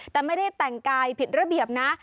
แต่ไม่ได้แต่งกายผิดระเบียบนะ